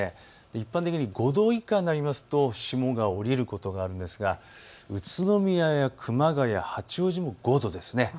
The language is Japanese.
一般的に５度以下になると霜が降りることがありますが宇都宮や熊谷、八王子も５度です。